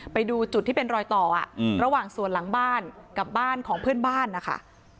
ไปดูจุดที่เป็นรอยต่อระหว่างส่วนหลังบ้านกับบ้านของเพื่อนบ้านนะคะ